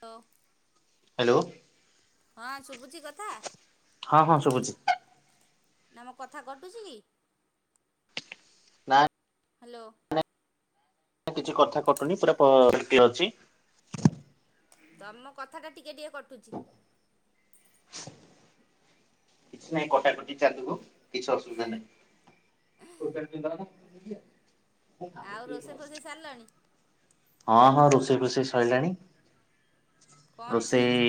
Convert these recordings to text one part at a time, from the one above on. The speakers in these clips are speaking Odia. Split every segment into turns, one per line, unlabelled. ତ
ହାଲୋ।
ହଁ ଶୁଭୁଛିି କଥା।
ହଁ ହଁ ଶୁଭୁଚି
ନା ମୋ କଥା କଟୁଛି କି?
ନା।
ହାଲୋ।
କିଛି କଥା କଟୁନି ପୁରା ପ ଅଛି।
ତମ କଥା ଟା ଟିକେ ଟିକେ କଟୁଚି।
କିଛି ନାହିଁ କଟାକଟି ଚାଲିବ କିଛି ଅସୁବିଧା ନାହିଁ। [inaudible]
ଆଉ ରୋଷେଇ ଫୋଷେଇ ସାରିଲାଣି
ହଁ ହଁ ରୋଷେଇ ଫୋଷେଇ ସଇଲାନି।
କଣ ହେଇଛି
ରୋଷେଇ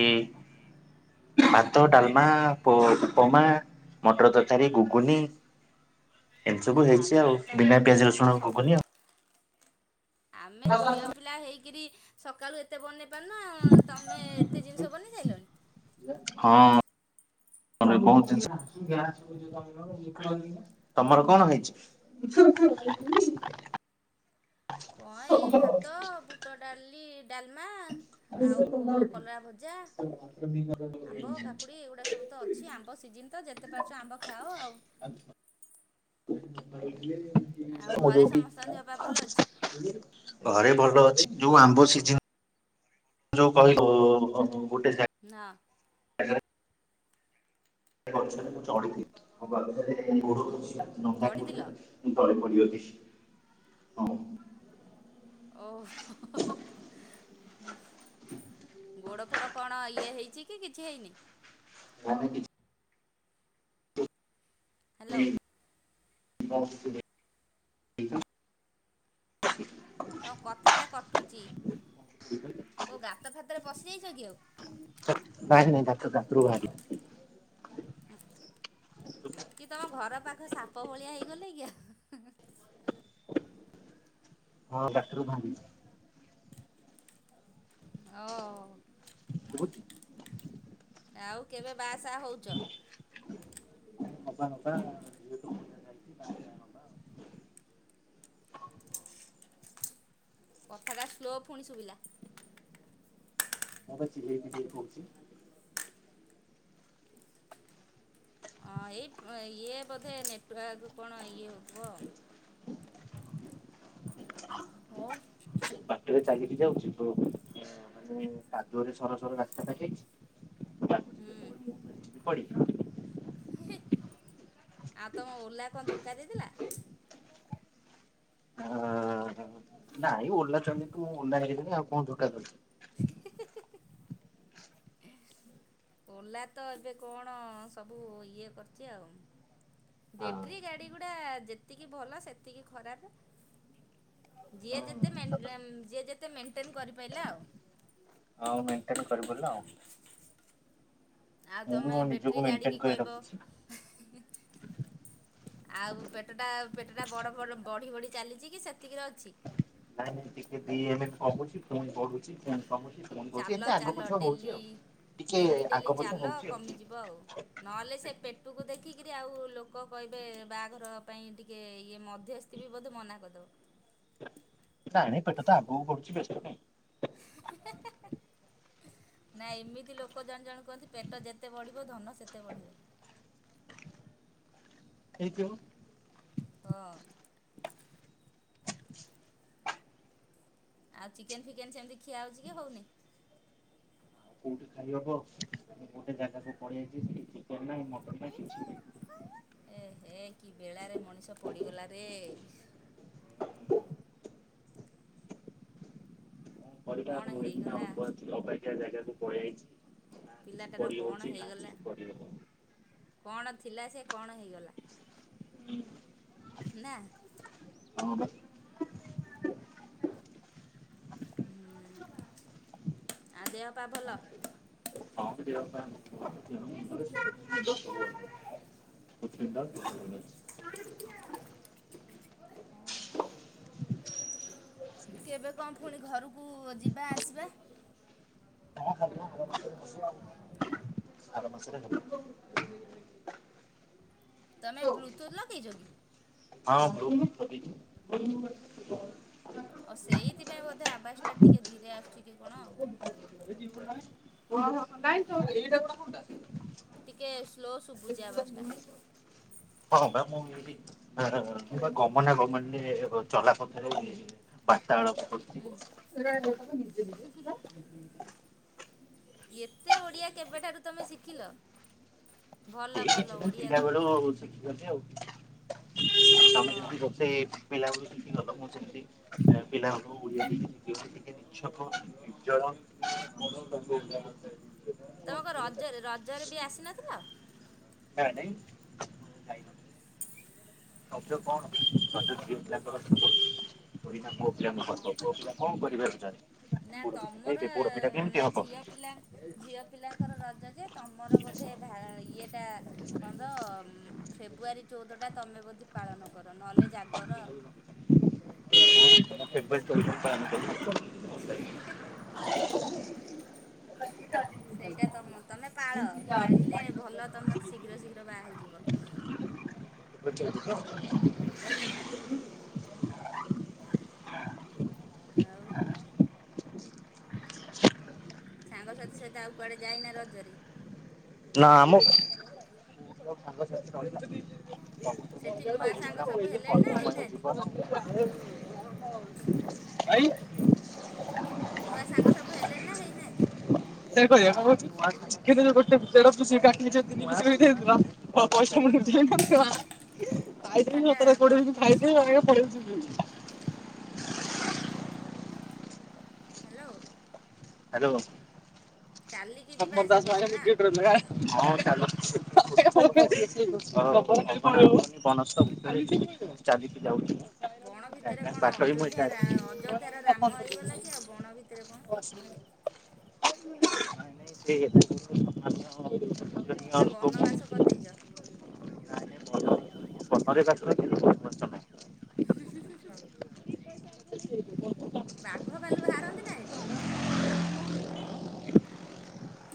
ଭାତ ଡାଲମା ପୋ ଉପମା ମଟର ତରକାରୀ ଘୁଗୁନି। ଏମିତି
ଆରେ
ସବୁ ହେଇଛି
ବାବା
ଆଉ
ତମ
ବିନା ପିଆଜ ରସୁଣ
ତମେ
ର
ସ
ଘୁଗୁନି ଆଉ।
ଆମେ ଝିଅ ପିଲା ହେଇକି ସକାଳୁ ଏତେ ବନେଇ ପାରନ ତମେ ଏତେ ଜିନିଷ ବନେଇ ସାଇଲନି।
ହଁ ଘରେ ପହଞ୍ଚିଚି। ତମର କଣ
ହୁଁ
ହେଇଛି। [inaudible]
କଣ ଏଇ ଭାତ ବୁଟ ଡାଲି। ଡାଲମା ଆଉ କଲରା ଭଜା ଆମ୍ବ କାକୁଡ଼ି ଏଗୁଡ଼ା ସବୁ ତ ଅଛି ଆମ୍ବ ସିଜିିନ ତ ଯେତେ ପାରୁଛ ଆମ୍ବ ଖାଅ ଆଉ।
ଭାଇ
ଆଉ
ମୁ
ଘରେ
ଯଉଠି
ସମସ୍ତଙ୍କ ଦେହ ପା ଭଲ ଅଛି
ଘରେ ଭଲ ଅଛି। ଯୋଉ ଆମ୍ବ ସିଜିନ। ଯୋଉ କହିବୁ
ନା।
[unintelligible] ଗୋଟେ ଗଛରେ ମୁଁ ଚଢିଥିଲି [unintelligible] ଗୋଡ଼ ଖସିଗଲା। ନଙ୍ଗାପୁରା।
ଚଢ଼ିଥିଲ
ତଳେ ପଡ଼ିଗଲି ହଁ।
ଓଫ୍। କଣ ଇଏ ହେଇଛି କି କିଛି ହେଇନି?
ନା ନା କିଛି
ହାଲୋ।
ବହୁତ [unintelligible]
ତ କଥା ଟା କଟୁଚ କୋଉ ଗାତ ଫାତ ଭିତରେ ପଶିଯାଇଚୁ
କାଇ ନାଇଁ ତା ତାତୁ ଭାଗ
କି ତମ ଘର ସାପ ଭଳିଆ ହେଇଗଲେ କି?
ହଁ ଡାକ୍ଟର ଭାଙ୍ଗି।
ଓ।
କହୁଛି
ଆଉ କେବେ ବାହାସାହା ହଉଛ?
ନକା ନକା ଯାଇଛିବା।
କଥାଟା ସ୍ଲୋ ପୁଣି ଶୁଭିଲା।
ମୁଁ ପା ଚିଲେଇ ଚିଲେଇ କହୁଛି।
ହଁ ଏଇ ଇଏ ବୋଧେ ନେଟୱାର୍କ କଣ ଇଏ ହେଉଥିବ ଆଉ। ଓ।
ବାଟରେ ଚାଲିକି ଯାଉଛି ମାନେ କାଦୁଅରେ ସରସର ଗାା ଫାଇଛି
ହୁଁ।
ପଡ଼ି।
ଆଉ ତମ ଓଲା କଣ ଧୋକା ଦେଇଦେଲା?
ହ ନାଇଁ ଓଲାଛନ୍ତି ତୁ ଓନା ହେଥିଲନି ଆଉ କଣ ଧୋକା ଦଵୁ
ଓଲା ତ ଏବେ କଣ ସବୁ ଇଏ କରିଛି ଆଉ।
ହଁ।
ବେଟ୍ରି ଗାଡି ଗୁ ା ଯେତିକି ଭଲ ସେତିକି ଖରାପ ଯିଏ ଯେତ ମେନ୍ ଯେତେ ମେଣ୍ଟେନ କରିପାର ଆଉ।
ହଉ ମେଣ୍ଟେନ କରିିବଲ ଆଉ।
ଆଉ
ମୁଁ ବି
ତମେ
ମୋ ନିଜକୁ
ବେଟେରୀ
ମେଣ୍ଟେନ
ଗାଡିିକି
କରି
କହିବ
ରଖିଛି।
ଆଉ ପେଟ ଟା ପେଟ ଟା ବଡ ବଡ ବଢି ବଢି ଚାଲିଛି କି ସେତିକିରେ ଅଛି।
ନାଇଁ ନାଇଁ ଟିକେ ଦେଇ ଆମେ ଭାବୁଛି ଫଣ କରୁଛି
ଚାଲ ଚାଲ ଡେଲି
ଟିକେ
ଡେଲି
ଆଗ
ଡେଲି
ପଛ
ଚାଲ
ହଉଛି ଆଉ
କମିଯିବ ଆଉ ନହେଲେ ସେ ପେଟକୁ ଦେଖି ଦେଖିକରି ଆଉ ଲୋକ କହିବେ ବାହାଘର ପାଇଁ ଟିକେ ଇଏ ମଧ୍ୟସ୍ଥି ବି ବୋଧେ ମନା କରିଦେବ।
ଆଣେ ପେଟ ତ ଆଗବ ପଛି ବେଶ
ନାଇ ଏମିତି ଲୋକ ଜଣେ ଜଣେ କୁହନ୍ତି ପେଟ ଯେତେ ବଢିବ ଧନ ସେତେ ବଢିବ।
ହେଇଥିବ।
ହଁ। ଆଉ ଚିକେନ ଫିକେନ ସେମିତି ଖିଆ ହଉଛି କି ହଉନି?
ଗୋଟେ ଖାଇହବ ଆ ଗୋଟେ ଜାଗାକୁ ପଳେଇଆାଇଛି। ମଦ ପାଇଁ କିଛି ବି
ଏ ହେ କି ବେଳାରେ ମଣିଷ ପଡ଼ିଗଲା ରେ। କଣ ହେଇ
ମୁଁ ଅଛି ଅବାଗିଆ ଜାଗାକୁ ପଳି ଆଇଛି ନା କିଛି
ପିଲାଟାର
କରି
କଣ
ହଉଛି ନା
ହେଇଗଲା
କିଛି କରିହବ।
କଣ ଥିଲା ସେ କଣ ହେଇଗଲା।
ହୁଁ।
ନା।
ହଁ ବା।
ହୁଁ, ଆ ଦେହ ପା ଭଲ?
ଦିହ ପା [inaudible]
ହଁ। କେବେ କଣ ଫୁଣି ଘରକୁ ଯିବା ଆସିବା?
[unintelligible]
ତୋମେ ବ୍ଲୁତୁଥ ଲଗେଇଚ କି?
ହଁ ବ୍ଲୁଟୁଥ ଲଗେଇଚି।
ଓ ସେଇଥିପାଇଁ ବୋଧେ ଆବାସ ଟା ଟିକେ ଧୀରେ ଆସୁଚି କି କଣ ଆଉ।
ନାଇ ତ, ଏଇଟା କଣ କୋଉଟା।
ଟିକେ ସ୍ଲୋ ଶୁଭୁଚି ଆବାସ ଟା।
ହଁ ପା ମୁଁ ଏଇଠି ହର ଗମନାଗମନରେ ଚଲାପଥରେ [inaudible] ବା ତାଳପ କରୁଚି।
ଏତେ ଓଡିଆ କେବେଠାରୁ ତୋମେ ଶିଖିଲ? ଭଲ
ହେଇକି
ଭଲ
ଥିଲା
ଓଡ଼ିଆ କୁହ
ପିଲାବେଳୁ ଶିଖିଗଲି ଆଉ। ଆମେ
ହଁ
ଯେଉଁଠି ବସେ ପିଲା ବେଳୁ ଶିଖିଗଲ, ମୁଁ ସେମତି ଏଁ ପିଲାବେଳୁ ଓଡିଆ [unintelligible] ନିଜର [inaudible]
ତୋମେ କଣ ରଜରେ, ରଜରେ ବି ଆସିନଥିଲ?
ନା ନାଇଁ ମୁଁ ଯାଇ ରଜ କଣ? ରଜ ଝିଅ ପିଲାଙ୍କର ପର୍ବ। ଥୋଡିନା ପୁଅପିଲାଙ୍କୁ
ହଁ
ପର୍ବ। ପୁଅପିଲା କଣ କରି [unintelligible] ଦେଖୁଚନି।
ନା ତୋମର ନା
ହବ
ଝିଅ ପିଲା ଝିଅ ପିଲାଙ୍କର ରଜ ଯେ, ତୋମର ବୋଧେ ଭା ଇଏଟା କଣ ତ ଉଁ ଫେବୁୟାରୀ ଚଉଦଟା ତୋମେ ବୋଧେ ପାଳନ କର? ନହେଲେ ଜାଗର ଆଉ।
ହଁ ମୁଁ ଫେବୃୟାରୀ ଚଉଦ କୁ ପାଳନ କରୁ।
ସେଇଟା ତୋମ ତୋମେ ପାଳ। ପାଳିଲେ ଭଲ ତୋମର ଶୀଘ୍ର ଶୀଘ୍ର ବାହା ହେଇଯିବ।
[unintelligible] ହଉଚି ତ
ହୁଁ ହୁଁ, ହୁଁ। ଆଉ ସାଙ୍ଗସାଥି ସହିତ ଆଉ କୁଆଡ଼େ ଯାଇନା ରଜରେ?
ନା ମ, ତ ସାଙ୍ଗସାଥି ରହିଲା।
ସେଠି ନୂଆ ସାଙ୍ଗ ସବୁ ହେଲେଣି ନା ହେଇନାହାନ୍ତି? ନୂଆ ସାଙ୍ଗ ସବୁ ହେଲେଣି ନା ହେଇନାହାନ୍ତି?
[unintelligible] [unintelligible] କାଟିଚେ ତିିନି ମାସର ହେଇଥାଇଥିଲ
କଥାଟା
ପ
କଟୁଛି
[unintelligible] [unintelligible]
ହ୍ୟାଲୋ।
ହ୍ୟାଲୋ। [unintelligible]
ଚାଲିକି ଯିବା
ହଁ
ଆସିବା କରୁଛ ନା?
ଚାଲୁଚି [unintelligible] ଚାଲିକି ଯାଉଛି।
ବଣ ଭିତରେ କଣ
ବାଟ ବି ମୁଁ ଏକା
ଅଯୋଧ୍ୟା ରା
ଅଛି।
ଅଯୋଧ୍ୟାର ରାମ ହେଇଗଲା କି ଆଉ ବଣ ଭିତରେ
ଲୋକ
କଣ।
[unintelligible]
ନା ବନବାସ କରିଦେଇଚ
[unintelligible]
ବାଘ ଭାଲୁ ଭାରନ୍ତି ନା ଏଠି।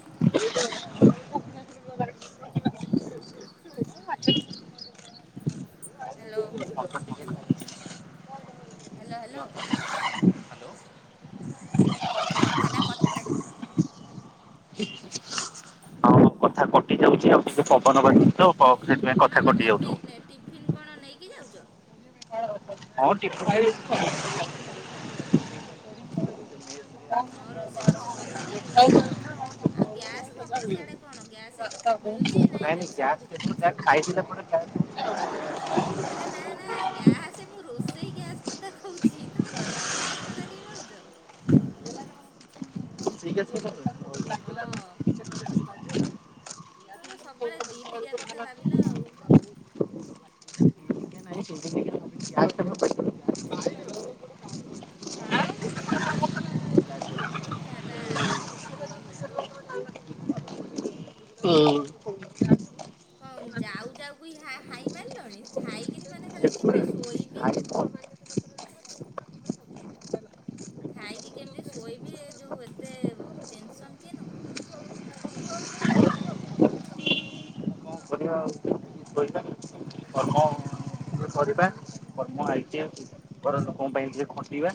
[unintelligible]
Hello hello hello.
ବାଟ।
କଥା ଟା କଟିଲା ତମର।
ହୋଉଛି ଆଉ ଟିକେ ପବନ ବାଜୁଛି ତ ସେଥିପାଇଁ
ତମେ
କଥା
କଣ
କଟି ଯାଉଥିବ।
ଟିଫିନ ଏ ଟିଫନ୍ କଣ ନେଇକି ଯାଉଚ
ହ ଟିଫିନ [unintelligible]
ହଁ ରୋଷେଇ ଫୋଷେଇ କରିକି ନେଇକି ଯାଉଥିବ ଆଉ ଆଉ ଗ୍ୟାସ ଖବର ସେଆଡେ କଣ ଗ୍ୟାସ ମିଳୁଛି ନା
ନାଇଁ
ଇଣ୍ଡକ୍ସନ
ଗ୍ୟାସ୍
ରଖିଛ।
ଖାଇଦେଲା ପରେ [unintelligible]
ଆରେ ନା ନା ଗ୍ୟାସ ମୁଁ ରୋଷେଇ ଗ୍ୟାସ୍ କଥା କହୁଛି ତମେ ପେଟ ଗ୍ୟାସ କଥା କାଇଁ ଭାବୁଚ। [inaudible]
ଠିକ୍ ଅଛି ମୋ
ହଁ
ପାଖରେ। [inaudible] [inaudible]
ତମେତ ସବୁବେଳେ ଦିଟିକିଆ କଥା ଭାବିଲ ଆଉ। କଥା ଟା ତମର କ୍ଲିଅର ହଉନି।
ହୁଁ।
ହଁ ଯାଉ ଯାଉକି ହା ହାଇ ମାରିଲଣି ଖାଇକିରି ମାନେ କେମିତି ଶୋଇବି। ଖାଇକି କେମିତି ଶୋଇବି ଯୋଉ ଏତେ ଟେନସନ କିଏ ନବ।
କରିବା କର୍ମ ଆଇଚେ ଘର ନୁକଙ୍କ ପାଇଁ ଟିକେ ଖଟିବା।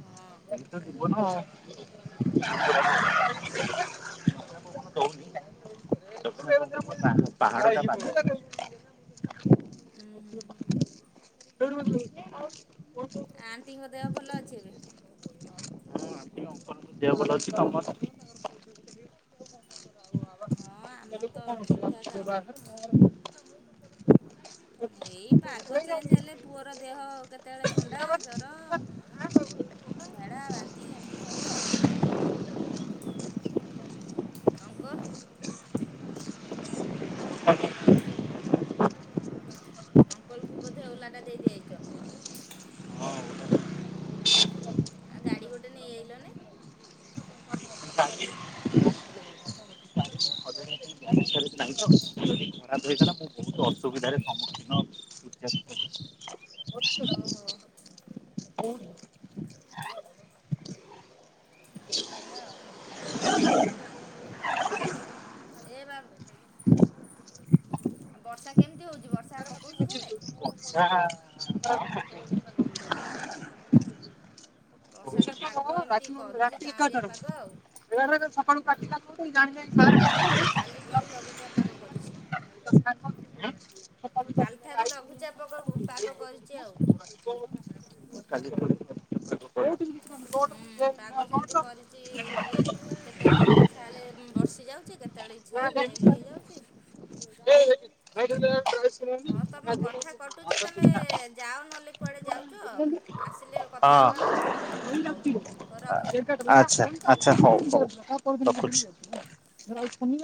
ହଁ
ଏମତ ଜିବନ। [unintelligible] ପାହାଡ ତ ନାହିଁ।
ଉଁ ହୁଁ। ଆଣ୍ଟିଙ୍କର ଦେହ ଭଲ ଅଛି ଏବେ।
ଭଲ ଅଛି ତମର।
ହଁ ଆମର ତ ଠିକ
[inaudible] [inaudible]
ଏଇ ପାଗ ଚେଞ୍ଜ ହେଲେ ପୁଅର ଦେହ କେତେବେଳେ ଥଣ୍ଡା, ଜର, ଝାଡା, ବାନ୍ତି ଏମିତି ସବୁ ଆଉ। ଅଙ୍କଲ ଅଙ୍କଲ କୁ ବୋଧେ ଓଲାଟା ଦେଇ ଦେଇଆଇଛ। ଆ ଗାଡି ଗୋଟେ ନେଇ ଆଇଲନି।
ଜାଣିଛ ସିଏ ଯଦି ଖରାପ ହୋଇଥାନ୍ତା ମୁଁ ବହୁତ ଅସୁବିଧାରେ ସମ୍ମୁଖୀନ
ଓହୋ
[unintelligible] [unintelligible]
ହଉ ତାହାଲେ ଆଉ। ଏ ବାଉ ଆଉ ବର୍ଷା କେମିତି ହଉଛି ବର୍ଷା ପକଉଛି ସିଆଡେ?
ସା [unintelligible]
ବର୍ଷା ତ ପାଗ ଏମି
ରାତି ଏଗାରଟାରେ, ଏଗାରଟାରେ ସକାଳୁ [unintelligible]
କାଲି କାଲିଠାରୁ ଲଘୁଚାପ ପାଗ କରିଛି।
ହଁ
କାଲିଠାରୁ ଲଘୁଚାପକ ବହୁତ ପାଗ କରିଛି ଆଉ। ହୁଁ ପାଗ ସେମିତି କରିଛି ଟିକେ କେତେବେଳେ ଇଚ୍ଛା ହେଲେ ବର୍ଷି ଯାଉଛି, କେତେବେଳେ ଇଚ୍ଛା ହେଲେ ଇଏ ହେଇଯାଉଛି। ହଁ ତମ କଥା କଟୁଛି ତମେ-ଏ-ଏ ଯାଅ ନହେଲେ କୁଆଡେ ଯାଉଛ। ଆସିଲେ କଥା
ହଁ
ହେବା ଆଉ। ହଉ ହଉ ରଖିଲି।
ଆ ଆଛା ଆଛା ହଉ ହଉ ରଖୁଛି। କମିଲା